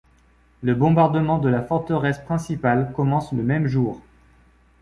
Le bombardement de la forteresse principale commence le même jour.